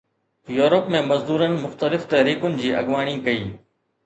Europe ۾ مزدورن مختلف تحريڪن جي اڳواڻي ڪئي